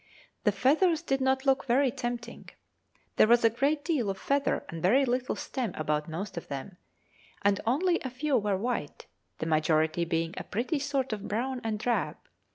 The feathers did not look very tempting; there was a great deal of feather and very little stem about most of them, and only a few were white, the majority being a pretty sort of brown and drab.